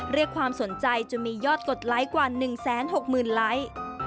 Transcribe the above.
เรียกความสนใจจนมียอดกดไลค์กว่า๑๖๐๐๐ไลค์